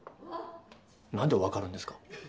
何でわかるんですか？